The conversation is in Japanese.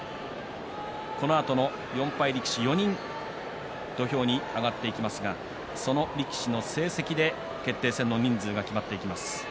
このあとの４敗力士４人が土俵に上がっていきますがその力士の成績で決定戦の人数が決まっていきます。